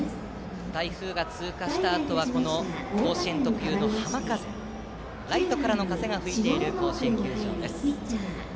台風が通過したあとは甲子園特有の浜風ライトからの風が吹いている甲子園球場です。